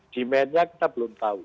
demandnya kita belum tahu